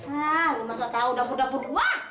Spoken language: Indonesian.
hah lu masa tahu dapur dapur gue